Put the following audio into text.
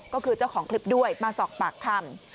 ก็คือเจ้าของคลิปด้วยมาสอบปากคำ